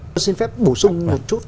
tôi xin phép bổ sung một chút